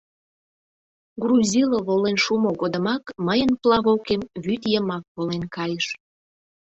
Грузило волен шумо годымак мыйын плавокем вӱд йымак волен кайыш.